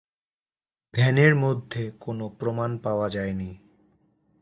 ভ্যানের মধ্যে কোন প্রমাণ পাওয়া যায়নি।